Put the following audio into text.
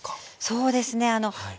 そうですねあの。